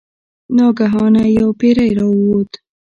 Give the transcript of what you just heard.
ناګهانه یو پیری راووت.